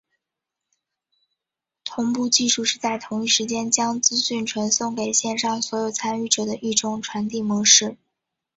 同步技术是在同一时间将资讯传送给线上所有参与者的一种传递模式。